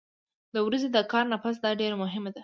د ورځې د کار نه پس دا ډېره مهمه ده